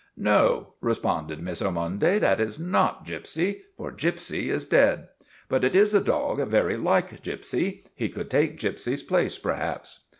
" No," responded Miss Ormonde, " that is not Gypsy, for Gypsy is dead. But it is a dog very like Gypsy. He could take Gypsy's place, perhaps."